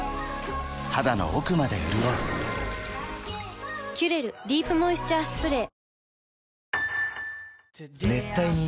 肌の奥まで潤う「キュレルディープモイスチャースプレー」